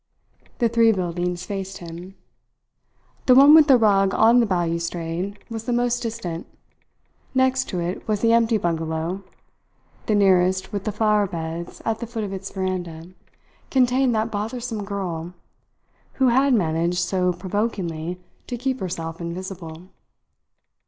The three buildings faced him. The one with the rug on the balustrade was the most distant; next to it was the empty bungalow; the nearest, with the flower beds at the foot of its veranda, contained that bothersome girl, who had managed so provokingly to keep herself invisible.